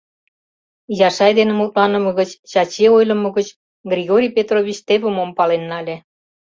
Яшай дене мутланыме гыч, Чачи ойлымо гыч Григорий Петрович теве мом пален нале.